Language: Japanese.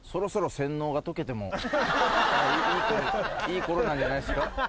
いい頃なんじゃないですか。